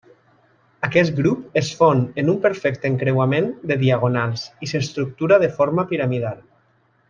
Aquest grup es fon en un perfecte encreuament de diagonals i s'estructura de forma piramidal.